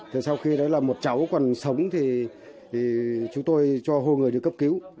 thì sau khi đó là một cháu còn sống thì chúng tôi cho hôn người đi cấp cứu